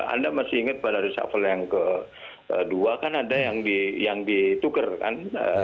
anda masih ingat pada reshuffle yang kedua kan ada yang ditukar kan